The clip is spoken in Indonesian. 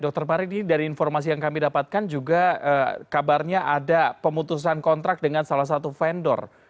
dr pari ini dari informasi yang kami dapatkan juga kabarnya ada pemutusan kontrak dengan salah satu vendor